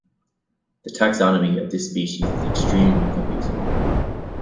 The taxonomy of this species is extremely confusing.